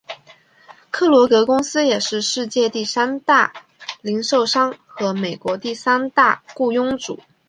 克罗格公司也是世界第三大零售商和美国第三大雇佣主。